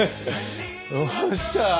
よっしゃ！